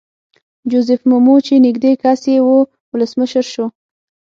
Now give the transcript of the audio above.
جوزیف مومو چې نږدې کس یې وو ولسمشر شو.